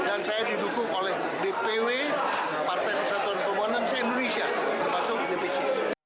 dan saya didukung oleh bpw partai persatuan pembangunan saya indonesia termasuk dpc